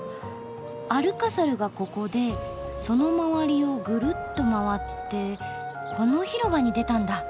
アルカサルがここでその周りをぐるっと回ってこの広場に出たんだ。